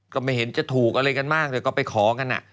ก็ไม่เห็นจะถูกอะไรกันมากแต่ก็ไปขอกัน